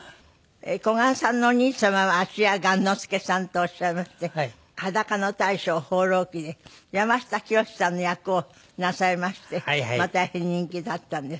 小雁さんのお兄様は芦屋雁之助さんとおっしゃいまして『裸の大将放浪記』で山下清さんの役をなさいまして大変人気だったんです。